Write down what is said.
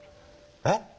えっ？